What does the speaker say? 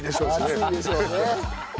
熱いでしょうね。